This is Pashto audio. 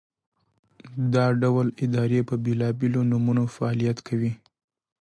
دا ډول ادارې په بېلابېلو نومونو فعالیت کوي.